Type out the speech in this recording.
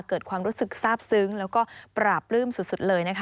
เกิดความรู้สึกทราบซึ้งแล้วก็ปราบปลื้มสุดเลยนะคะ